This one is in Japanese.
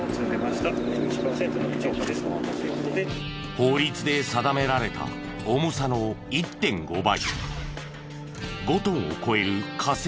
法律で定められた重さの１．５倍。